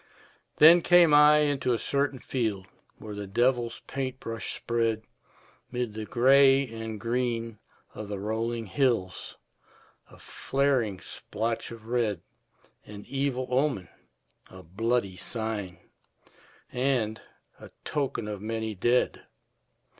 Then came I into a certain field Where the devil's paint brush spread 'Mid the gray and green of the rolling hills A flaring splotch of red, An evil omen, a bloody sign, And a token of many dead.